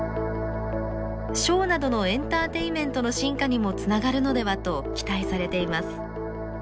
ショーなどのエンターテインメントの進化にもつながるのではと期待されています。